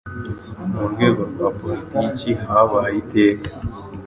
Mu rwego rwa politiki habaye iteka